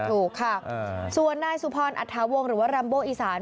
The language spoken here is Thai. ถูกค่ะส่วนนายสุพรอัฐาวงศ์หรือว่ารัมโบอีสาน